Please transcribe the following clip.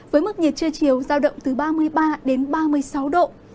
với mức nhiệt trưa chiều giao động từ ba mươi ba đến ba mươi sáu độ